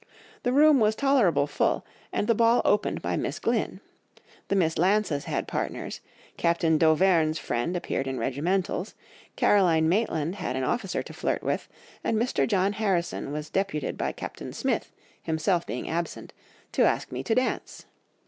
The room was tolerable full, and the ball opened by Miss Glyn. The Miss Lances had partners, Captain Dauvergne's friend appeared in regimentals, Caroline Maitland had an officer to flirt with, and Mr. John Harrison was deputed by Captain Smith, himself being absent, to ask me to dance.